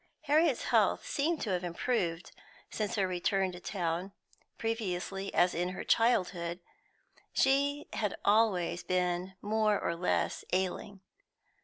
Harriet's health seemed to have improved since her return to town. Previously, as in her childhood, she had always been more or less ailing.